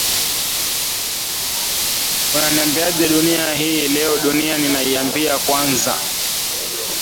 unaiambiaje dunia hii leo dunia ninaiambia kwanza